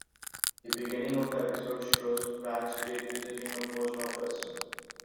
The beginning of the episode shows Bart's grade visiting a post office.